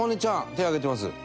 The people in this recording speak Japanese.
手挙げてます。